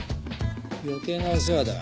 余計なお世話だ。